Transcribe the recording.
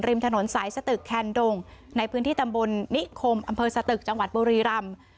ถนนสายสตึกแคนดงในพื้นที่ตำบลนิคมอำเภอสตึกจังหวัดบุรีรำ